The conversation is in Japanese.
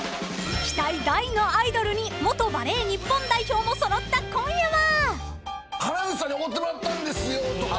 ［期待大のアイドルに元バレー日本代表も揃った今夜は］